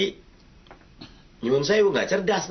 nyumun saya nggak cerdas namanya